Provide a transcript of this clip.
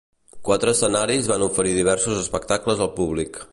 Quatre escenaris van oferir diversos espectacles al públic.